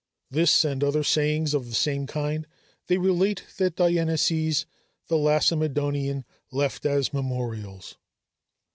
This, and other sayings of the same kind, they relate that Dieneces the Lacedæmonian left as memorials.